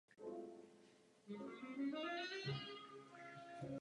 Probíhající proces cizí intervence je velmi výmluvný.